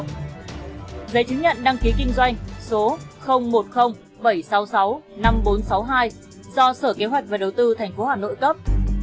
giấy chứng nhận đăng ký kinh doanh số một mươi bảy trăm sáu mươi sáu năm nghìn bốn trăm sáu mươi hai do sở kế hoạch và đầu tư tp hà nội cấp